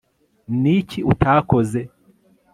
niki utakoze